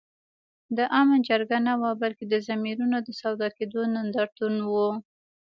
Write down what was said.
د آمن جرګه نه وه بلکي د ضمیرونو د سودا کېدو نندارتون وو